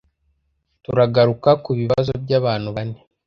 turagaruka ku bibazo by’abantu bane